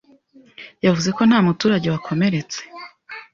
Yavuze ko ntamuturage wakomeretse